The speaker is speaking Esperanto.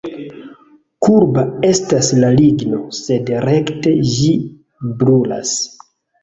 Kurba estas la ligno, sed rekte ĝi brulas.